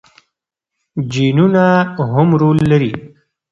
جینونه هم رول لري.